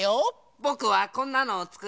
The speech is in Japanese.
ぼくはこんなのをつくりました。